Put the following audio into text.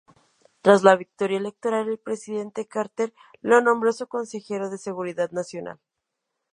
Tras la victoria electoral, el presidente Carter lo nombró su Consejero de Seguridad Nacional.